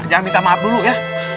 jangan minta maaf dulu ya